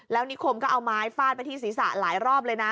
แล้วนิคมก็เอาไม้ฟาดไปที่ศีรษะหลายรอบเลยนะ